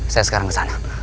saya sekarang kesana